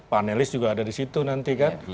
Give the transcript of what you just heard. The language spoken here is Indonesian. panelis juga ada disitu nanti kan